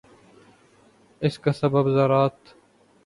اس کا سبب ذرات